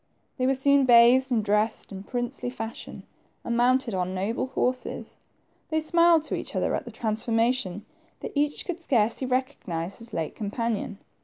They were soon bathed, and dressed in princely fashion, and mounted on noble horses they smiled to each other at the transformation, for each could scarcely recognize his late companion.